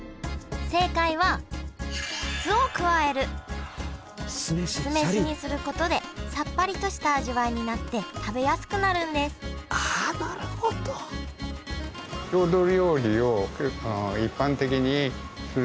正解は酢飯にすることでさっぱりとした味わいになって食べやすくなるんですあなるほど。と思って開発しました。